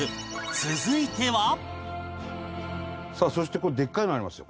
続いてはさあそしてでっかいのありますよ